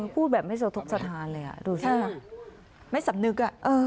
พูดแบบไม่สะทบสะทานเลยอ่ะไม่สำนึกอ่ะ